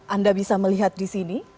anda bisa melihat di sini